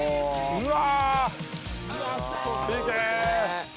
うわ！